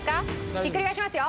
ひっくり返しますよ。